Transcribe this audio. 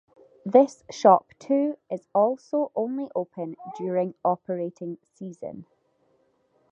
This shop too is also only open during operating season.